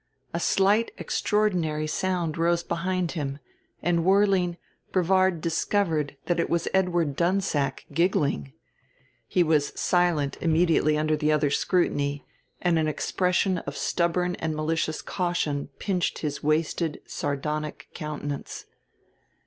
A slight extraordinary sound rose behind him, and whirling, Brevard discovered that it was Edward Dunsack giggling. He was silent immediately under the other's scrutiny, and an expression of stubborn and malicious caution pinched his wasted sardonic countenance.